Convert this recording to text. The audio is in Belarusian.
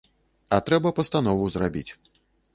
А трэба пастанову зрабіць.